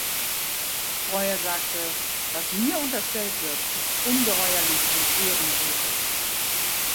Breuer sagte „Was mir unterstellt wird, ist ungeheuerlich und ehrenrührig“.